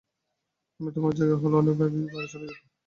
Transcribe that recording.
আমি তোমার জায়গায় হলে অনেক আগেই বাড়ি চলে যেতাম।